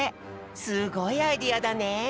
すごいアイデアだね！